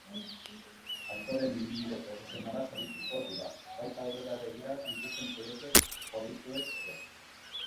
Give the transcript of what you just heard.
Aktoreen ibilbide profesionalaz arituko dira, baita aurrera begira dituzten proiektuez ere.